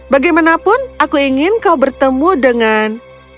bagaimanapun aku ingin kau bertemu dengan